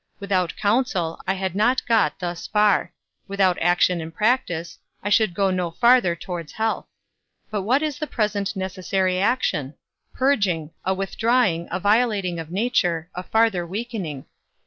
Without counsel, I had not got thus far; without action and practice, I should go no farther towards health. But what is the present necessary action? Purging; a withdrawing, a violating of nature, a farther weakening.